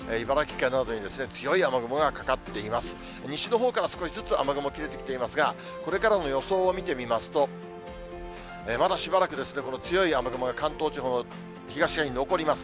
西のほうから、少しずつ雨雲切れてきていますが、これからの予想を見てみますと、まだしばらく、この強い雨雲が関東地方の東側に残ります。